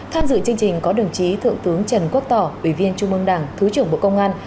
tham dự chương trình có đồng chí thượng tướng trần quốc tỏ ủy viên trung mương đảng thứ trưởng bộ công an